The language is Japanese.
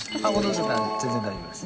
全然大丈夫です。